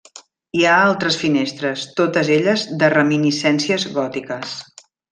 Hi ha altres finestres, totes elles de reminiscències gòtiques.